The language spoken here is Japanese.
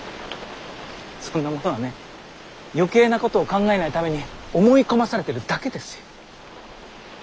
そんなものはね余計なことを考えないために思い込まされてるだけですよ。